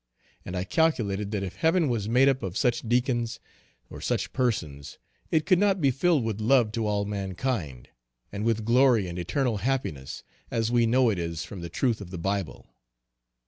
And I calculated that if heaven was made up of such Deacons, or such persons, it could not be filled with love to all mankind, and with glory and eternal happiness, as we know it is from the truth of the Bible.